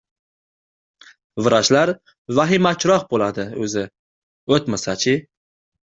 — Vrachlar vahimachiroq bo‘ladi o‘zi! O‘tmasa-chi!